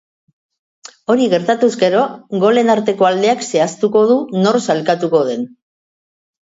Hori gertatuz gero, golen arteko aldeak zehaztuko du nor sailkatuko den.